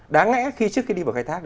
đáng ngẽ trước khi đi vào khai thác